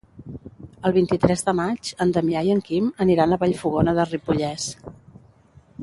El vint-i-tres de maig en Damià i en Quim aniran a Vallfogona de Ripollès.